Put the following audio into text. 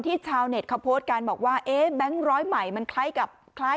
ชาวเน็ตเขาโพสต์กันบอกว่าเอ๊ะแบงค์ร้อยใหม่มันคล้ายกับคล้าย